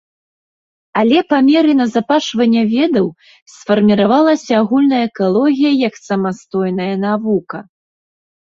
Але па меры назапашвання ведаў сфарміравалася агульная экалогія як самастойная навука.